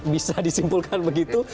bisa disimpulkan begitu